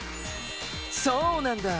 そうなんだ。